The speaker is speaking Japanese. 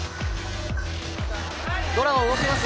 ドラゴン動きます